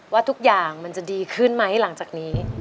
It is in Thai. ว่าทุกอย่างมันจะดีขึ้นไหมหลังจากนี้